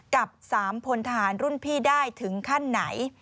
กับ๓พลทหารรุ่นพี่ได้ถึงขั้นไหน